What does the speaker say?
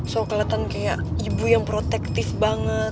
so kelihatan kayak ibu yang protektif banget